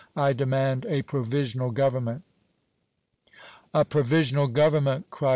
I demand a provisional government!" "A provisional government!" cried M.